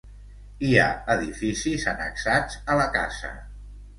Hi ha edificis annexats a la casa.